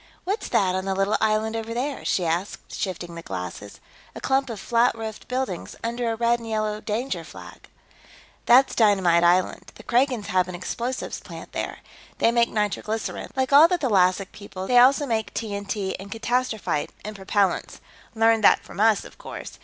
What's that, on the little island over there?" she asked, shifting the glasses. "A clump of flat roofed buildings. Under a red and yellow danger flag." "That's Dynamite Island; the Kragans have an explosives plant there. They make nitroglycerine, like all the thalassic peoples; they also make TNT and catastrophite, and propellants. Learned that from us, of course.